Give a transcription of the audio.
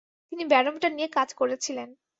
তিনি ব্যারোমিটার নিয়ে কাজ করেছিলেন।